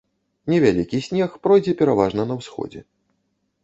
Невялікі снег пройдзе пераважна на ўсходзе.